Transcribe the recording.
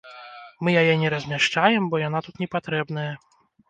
Мы яе не размяшчаем, бо яна тут не патрэбная.